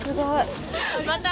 また！